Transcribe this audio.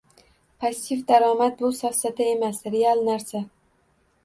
Passiv daromad bu safsata emas, real narsa